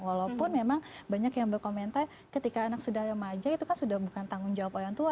walaupun memang banyak yang berkomentar ketika anak sudah remaja itu kan sudah bukan tanggung jawab orang tua